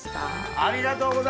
ありがとうございます。